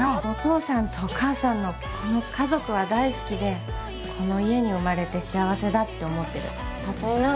お父さんとお母さんのこの家族は大好きでこの家に生まれて幸せだって思ってるたとえ